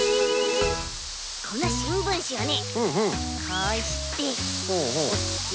このしんぶんしをねこうしておって。